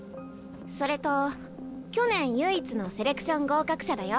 それと去年唯一のセレクション合格者だよ。